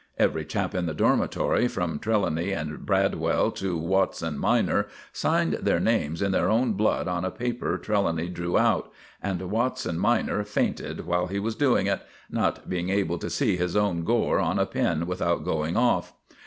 Every chap in the dormitory, from Trelawny and Bradwell to Watson minor, signed their names in their own blood on a paper Trelawny drew out; and Watson minor fainted while he was doing it, not being able to see his own gore on a pen without going off.